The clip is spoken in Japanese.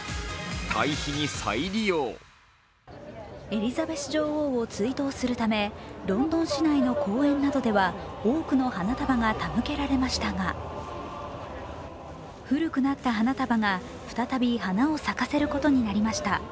エリザベス女王を追悼するためロンドン市内の公園などでは多くの花束が手向けられましたが古くなった花束が再び花を咲かせることになりました。